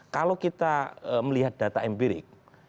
kalau kita melihat data empirik